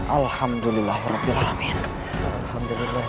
alhamdulillah rabbi rahman